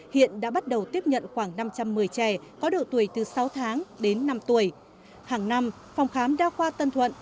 hiện đã bắt đầu tiếp nhận khoảng năm trăm một mươi trẻ có độ tuổi từ sáu tháng đến năm tuổi hàng năm phòng khám đa khoa tân thuận